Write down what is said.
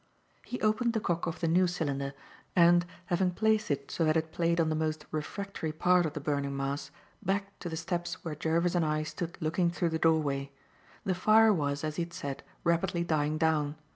He opened the cock of the new cylinder and, having placed it so that it played on the most refractory part of the burning mass, backed to the steps where Jervis and I stood looking through the doorway. The fire was, as he had said, rapidly dying down.